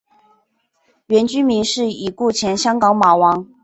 原居民是已故前香港马王。